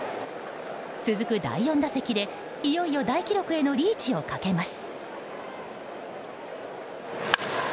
続く第４打席でいよいよ大記録へのリーチをかけます。